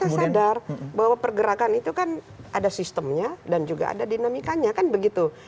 kita sadar bahwa pergerakan itu kan ada sistemnya dan juga ada dinamikanya kan begitu